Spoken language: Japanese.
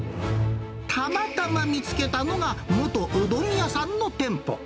たまたま見つけたのが、元うどん屋さんの店舗。